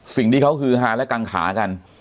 สิ่งที่เขาฮือฮาและกังขากัน